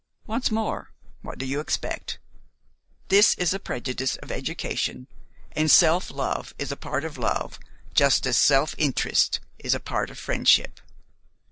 Once more, what do you expect? This is a prejudice of education, and self love is a part of love just as self interest is a part of friendship.